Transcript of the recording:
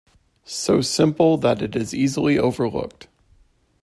So simple that it is easily overlooked.